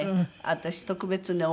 私特別ね